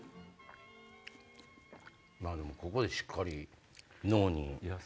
ここでしっかり脳に。